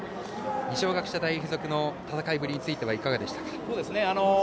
二松学舎大付属の戦いぶりについてはいかがでしたか？